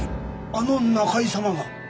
あの仲井様が？